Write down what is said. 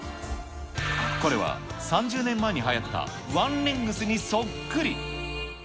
これは３０年前にはやったワンレングスにそっくり。